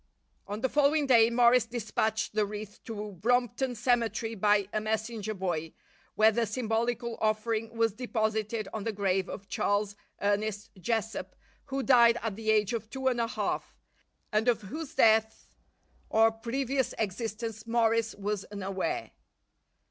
On the following day Morris despatched the wreath to Brompton cemetery by a messenger boy, where the symbolical offering was deposited on the grave of Charles Ernest Jessop, who died at the age of two and a half, and of whose death or previous existence Morris was unaware.